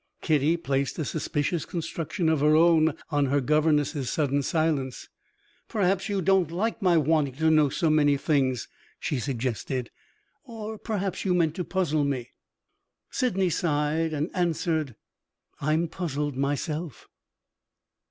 Kitty placed a suspicious construction of her own on her governess's sudden silence. "Perhaps you don't like my wanting to know so many things," she suggested. "Or perhaps you meant to puzzle me?" Sydney sighed, and answered, "I'm puzzled myself."